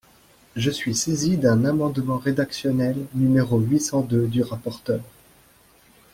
Je suis saisi d’un amendement rédactionnel numéro huit cent deux du rapporteur.